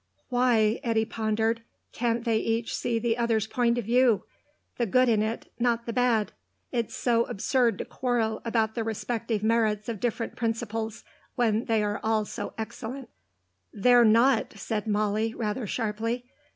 "Why," Eddy pondered, "can't they each see the other's point of view, the good in it, not the bad? It's so absurd to quarrel about the respective merits of different principles, when all are so excellent." "They're not," said Molly, rather sharply.